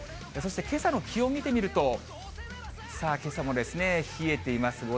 そしてけさの気温見てみると、けさも冷えています。